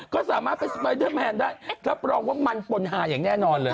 ก็สามารถไปสไปเดอร์แมนได้รับรองว่ามันปนฮาอย่างแน่นอนเลย